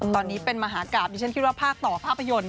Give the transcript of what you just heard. ตอนนี้เป็นมหากราบดิฉันคิดว่าภาคต่อภาพยนตร์